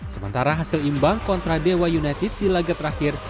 sementara hasil imbang kontra dewa united di laga terakhir